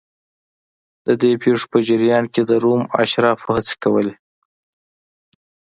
د دې پېښو په جریان کې د روم اشرافو هڅې کولې